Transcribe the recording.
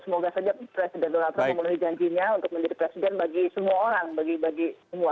semoga saja presiden donald trump memenuhi janjinya untuk menjadi presiden bagi semua orang bagi semua